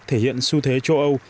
thể hiện xu thế châu âu